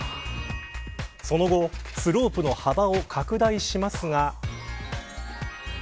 その後、スロープの幅を拡大しますが。